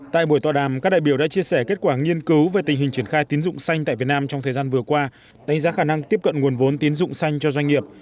tại buổi tọa đàm các đại biểu đã chia sẻ kết quả nghiên cứu về tình hình triển khai tín dụng xanh tại việt nam trong thời gian vừa qua đánh giá khả năng tiếp cận nguồn vốn tín dụng xanh cho doanh nghiệp